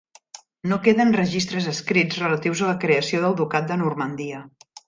No queden registres escrits relatius a la creació del ducat de Normandia.